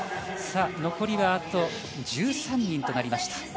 残りはあと１３人となりました。